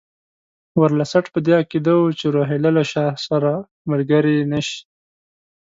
ورلسټ په دې عقیده وو چې روهیله له شاه سره ملګري نه شي.